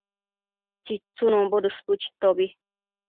tsitsunombo dësbu chitobi